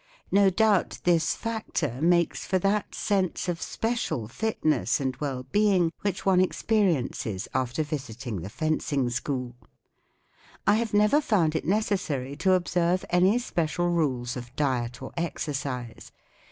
No doubt this factor makes for that sense of special fitness and well being which one ex¬ periences after visiting the fencing school. I have never found it necessary to observe any special rules of diet or exercise.